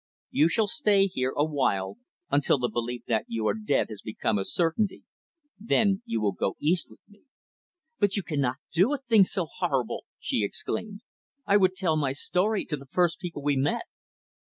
You shall stay here, a while, until the belief that you are dead has become a certainty; then you will go East with me." "But you cannot do a thing so horrible!" she exclaimed "I would tell my story to the first people we met."